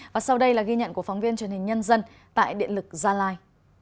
và sau đây là ghi nhận của phóng viên truyền hình nhân dân tại điện lực gia lai